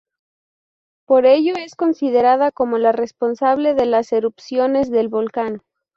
Por ello es considerada como la responsable de las erupciones del volcán.